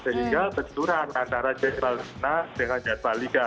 sehingga berjuran antara jabal kita dengan jabal liga